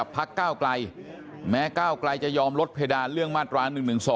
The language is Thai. พักก้าวไกลแม้ก้าวไกลจะยอมลดเพดานเรื่องมาตรา๑๑๒